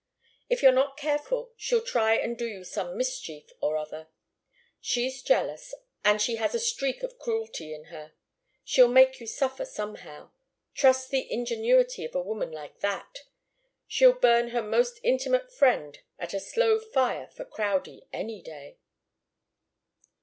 If you're not careful she'll try and do you some mischief or other. She's jealous, and she has a streak of cruelty in her. She'll make you suffer somehow trust the ingenuity of a woman like that! She'd burn her most intimate friend at a slow fire for Crowdie any day."